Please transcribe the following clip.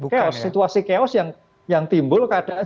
keos situasi keos yang timbul keadaan